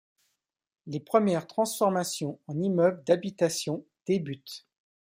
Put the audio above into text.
Les premières transformations en immeuble d'habitation débutent.